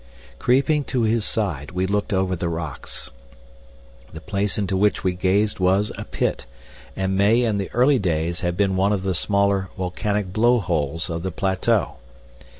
Creeping to his side, we looked over the rocks. The place into which we gazed was a pit, and may, in the early days, have been one of the smaller volcanic blow holes of the plateau.